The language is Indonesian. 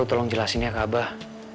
lo tolong jelasin ya kak abah